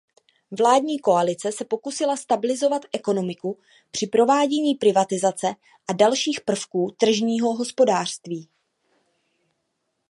Vládní koalice se pokusila stabilizovat ekonomiku při provádění privatizace a dalších prvků tržního hospodářství.